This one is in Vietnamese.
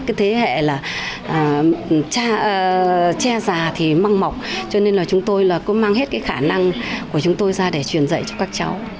cái thế hệ là che già thì măng mọc cho nên là chúng tôi có mang hết khả năng của chúng tôi ra để truyền dạy cho các cháu